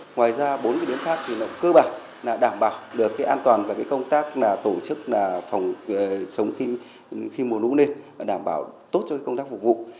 ngoài ra bốn cái điếm khác thì cơ bản là đảm bảo được cái an toàn và cái công tác tổ chức sống khi mùa lũ lên đảm bảo tốt cho công tác phục vụ